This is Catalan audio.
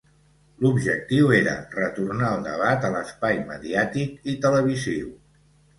L'objectiu era retornar el debat a l'espai mediàtic i televisiu.